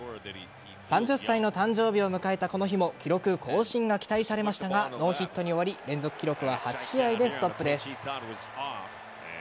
３０歳の誕生日を迎えたこの日も記録更新が期待されましたがノーヒットに終わり連続記録は８試合でストップです。